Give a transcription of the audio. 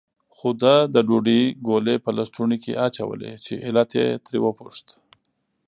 خو ده د ډوډۍ ګولې په لستوڼي کې اچولې، چې علت یې ترې وپوښت.